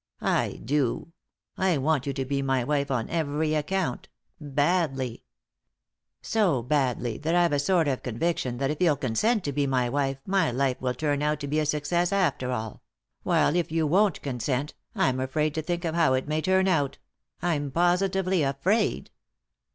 I do ; I want you to be my wife on every account—badly. So badly that I've a sort of conviction that if you'll consent to be my wife my life will turn 86 ;«y?e.c.V GOOglC THE INTERRUPTED KISS out to be a success after all ; while if you won't consent I'm afraid to think of how it may turn out — I'm posi tively afraid."